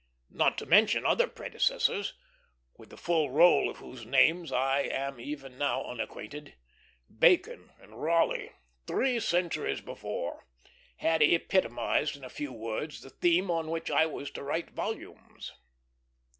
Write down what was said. Not to mention other predecessors, with the full roll of whose names I am even now unacquainted, Bacon and Raleigh, three centuries before, had epitomized in a few words the theme on which I was to write volumes.